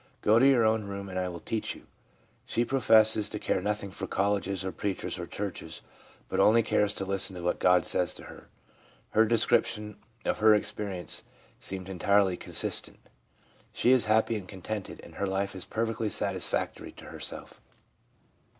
Go to your own room, and I will teach you/ She professes to care nothing for colleges, or preachers, or churches, but only cares to listen to what God says to her. Her description of her experience seemed entirely consistent; she is happy and contented, and her life is perfectly satisfactory to herself.